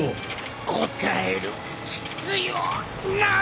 答える必要ない！